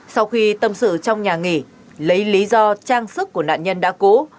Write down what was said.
sau khi tâm sự trong nhà nghỉ lấy lý do trang sức của nạn nhân đã cũ